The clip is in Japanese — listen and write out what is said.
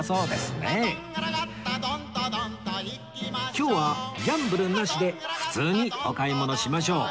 今日はギャンブルなしで普通にお買い物しましょう